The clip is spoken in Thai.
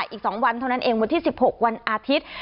อีก๒วันเท่านั้นเองวันที่๑๖วันอาทิตย์